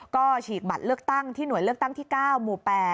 ก็ฉีกบัตรเลือกตั้งที่หน่วยเลือกตั้งที่๙หมู่๘